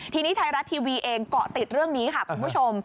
ทีนี้ไทยรัฐทีวีเองเกาะติดเรื่องนี้ค่ะคุณผู้ชม